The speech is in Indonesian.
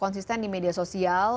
yang menggunakan media sosial